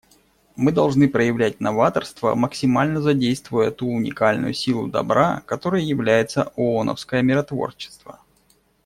Мы должны проявлять новаторство, максимально задействуя ту уникальную силу добра, которой является ооновское миротворчество.